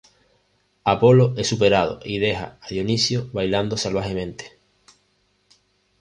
Apolo es superado y deja a Dioniso bailando salvajemente.